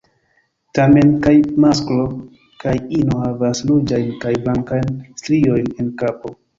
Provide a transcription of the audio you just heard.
Tamen kaj masklo kaj ino havas ruĝajn kaj blankajn striojn en kapo.